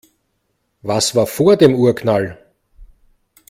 Was war vor dem Urknall?